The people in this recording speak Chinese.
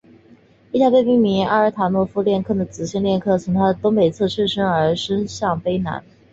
一条被命名为阿尔塔莫诺夫链坑的直线链坑从它的东北侧擦身而过伸向东南。